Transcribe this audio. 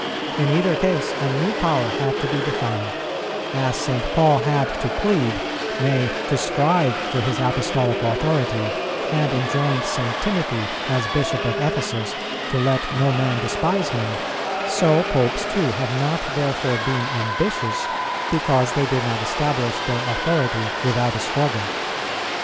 In either case, a new power had to be defined; as St. Paul had to plead, nay, to strive for his apostolic authority, and enjoined St. Timothy, as Bishop of Ephesus, to let no man despise him: so Popes too have not therefore been ambitious because they did not establish their authority without a struggle.